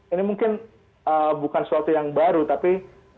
ini mungkin bukan sesuatu yang baru tapi